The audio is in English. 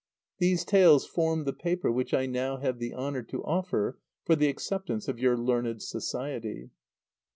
These tales form the paper which I now have the honour to offer for the acceptance of your learned Society.